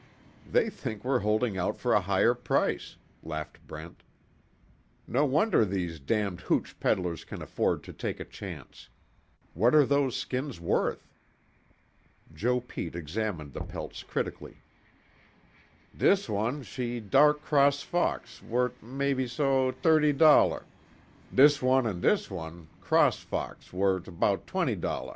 "They think we're holding out for a higher price," laughed Brent. "No wonder these damned hooch peddlers can afford to take a chance. What are those skins worth?" Joe Pete examined the pelts critically: "Dis wan she dark cross fox, wort' mebbe so, t'irty dolla. Dis wan, an' dis wan, cross fox, wort' 'bout twenty dolla."